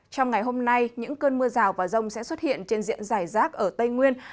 trong ngày hôm nay những cơn mưa rào và rông sẽ xuất hiện trên diện giải rác ở tây nguyên